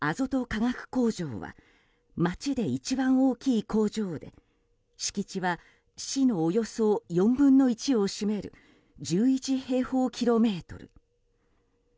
化学工場は街で一番大きい工場で敷地は市のおよそ４分の１を占める１１平方キロメートル。